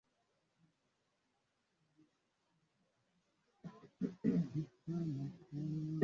Kulingana na mkongwe huyo roho huyo alijitokeza kama nyoka